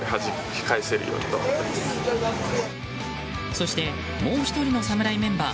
そして、もう１人の侍メンバー